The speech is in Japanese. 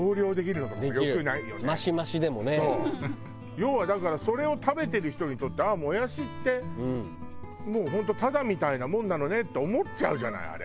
要はだからそれを食べてる人にとってああもやしってもう本当タダみたいなもんなのねって思っちゃうじゃないあれ。